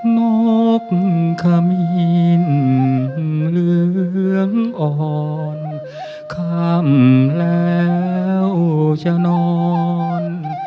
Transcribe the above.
นกขมีนเหลืองอ่อนคำแล้วจะนอน